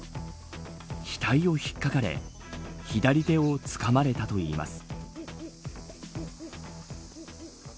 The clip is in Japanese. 額を引っ掛かれ左手をつかまれたといいます。